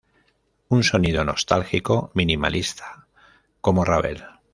Un sonido nostálgico, minimalista, como Ravel.